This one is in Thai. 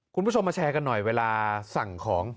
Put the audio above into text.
คุณผู้ชมมาแชร์กันหน่อยเวลาสั่งของ